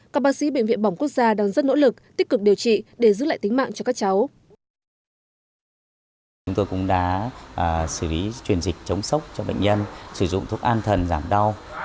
các bác sĩ bệnh viện bỏng quốc gia đang rất nỗ lực tích cực điều trị để giữ lại tính mạng cho các cháu